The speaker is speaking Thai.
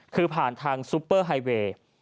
คือผ่านทางซุปเปอร์ไฮเวย์